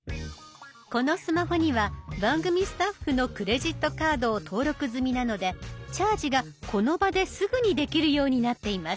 このスマホには番組スタッフのクレジットカードを登録済みなのでチャージがこの場ですぐにできるようになっています。